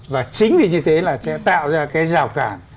và chính vì như thế là sẽ tạo ra cái rào cản